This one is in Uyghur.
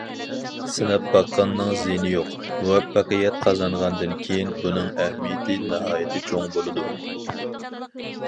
سىناپ باققاننىڭ زىيىنى يوق، مۇۋەپپەقىيەت قازانغاندىن كېيىن، بۇنىڭ ئەھمىيىتى ناھايىتى چوڭ بولىدۇ.